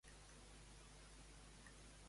Qui el volien parar?